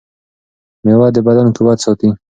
مېوه د بدن قوت ساتي.